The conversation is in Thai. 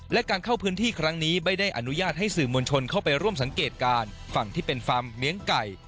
และการเข้าพื้นที่ครั้งนี้ไม่ได้อนุญาตให้สื่อมวลชนเข้าไปร่วมสังเกตการณ์ฝั่งที่เป็นฟาร์มเลี้ยงไก่